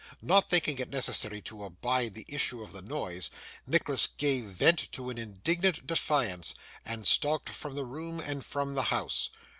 Not thinking it necessary to abide the issue of the noise, Nicholas gave vent to an indignant defiance, and stalked from the room and from the house.